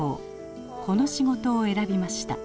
この仕事を選びました。